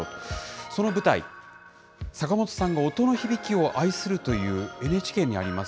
その舞台、坂本さんが音の響きを愛するという、ＮＨＫにあります